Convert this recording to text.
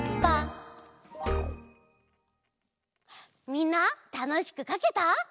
みんなたのしくかけた？